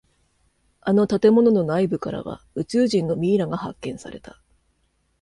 あの建物の内部からは宇宙人のミイラが発見された。